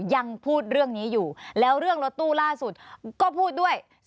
ยังพูดเรื่องนี้อยู่แล้วเรื่องรถตู้ล่าสุดก็พูดด้วย